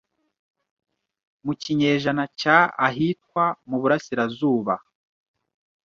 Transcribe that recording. mu kinyejana cya ahitwa mu burasirazuba